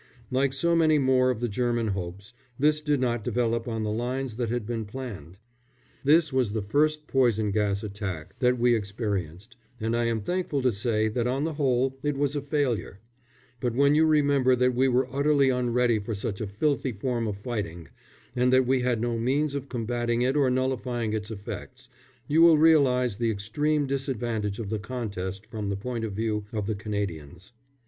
Like so many more of the German hopes, this did not develop on the lines that had been planned. This was the first poison gas attack that we experienced, and I am thankful to say that on the whole it was a failure; but when you remember that we were utterly unready for such a filthy form of fighting, and that we had no means of combating it or nullifying its effects, you will realise the extreme disadvantage of the contest from the point of view of the Canadians.